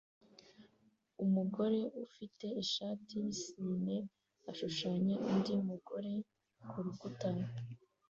Umugore ufite ishati yisine ashushanya undi mugore kurukuta